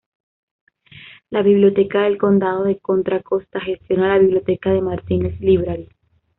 La Biblioteca del Condado de Contra Costa gestiona la biblioteca de Martinez Library.